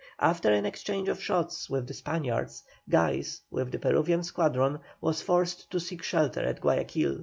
After an exchange of shots with the Spaniards, Guise, with the Peruvian squadron, was forced to seek shelter at Guayaquil.